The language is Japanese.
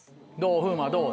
風磨どう？